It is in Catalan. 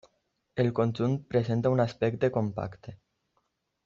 El conjunt presenta un aspecte compacte.